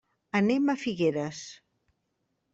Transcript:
Anem a Figueres.